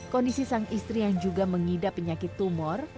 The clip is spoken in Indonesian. kondisi sang istri yang juga mengidap penyakit tumor